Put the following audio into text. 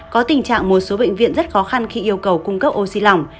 có tình trạng một số bệnh viện rất khó khăn khi yêu cầu cung cấp oxy lỏng